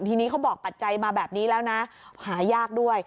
ทีนี้เขาบอกปัจจัยมาแบบนี้แล้วนะหายากด้วย